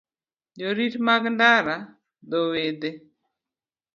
Jorit mag ndara, dho wedhe,